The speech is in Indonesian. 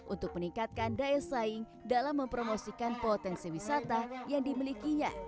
untuk meningkatkan daya saing dalam mempromosikan potensi wisata yang dimilikinya